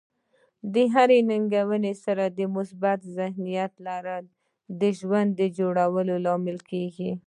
د هرې ننګونې سره د مثبت ذهنیت لرل د ژوند د جوړولو لامل کیږي.